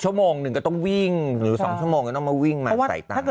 ชั่วโมงหนึ่งก็ต้องวิ่งหรือ๒ชั่วโมงก็ต้องมาวิ่งมาใส่ตังค์